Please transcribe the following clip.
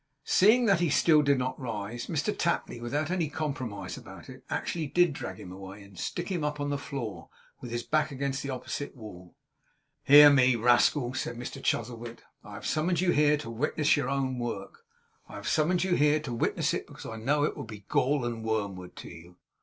Seeing that he still did not rise, Mr Tapley, without any compromise about it, actually did drag him away, and stick him up on the floor, with his back against the opposite wall. 'Hear me, rascal!' said Mr Chuzzlewit. 'I have summoned you here to witness your own work. I have summoned you here to witness it, because I know it will be gall and wormwood to you!